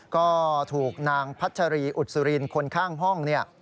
ก็ถูกนางพัชรีอุดสุรินคนข้างห้องเนี่ย